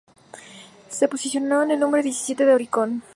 Se posicionó en el número diecisiete en Oricon.